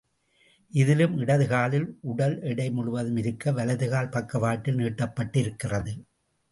இதிலும், இடது காலில் உடல் எடை முழுவதும் இருக்க, வலது கால் பக்கவாட்டில் நீட்டப்பட்டிருக்கிறது.